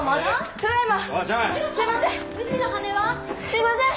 すいません！